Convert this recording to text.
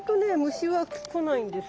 虫は来ないんですよね。